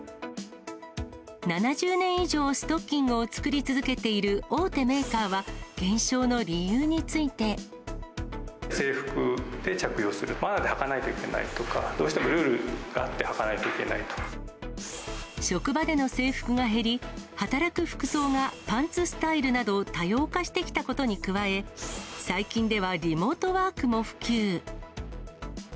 ７０年以上ストッキングを作り続けている大手メーカーは、制服で着用する、マナーではかないといけないとか、どうしてもルールがあって、はかないとい職場での制服が減り、働く服装がパンツスタイルなど、多様化してきたことに加え、最近ではリモートワークも普及。